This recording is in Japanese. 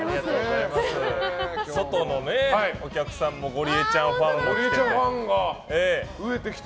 外のお客さんもゴリエちゃんファンが来てて。